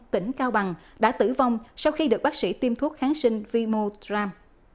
tỉnh cao bằng đã tử vong sau khi được bác sĩ tiêm thuốc kháng sinh vimotram